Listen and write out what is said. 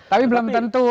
tapi belum tentu